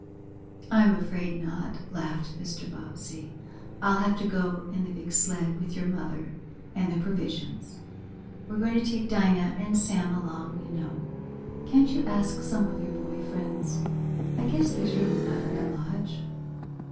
"I'm afraid not," laughed Mr. Bobbsey. "I'll have to go in the big sled with your mother, and the provisions. We're going to take Dinah and Sam along, you know. Can't you ask some of your boy friends? I guess there's room enough at the Lodge."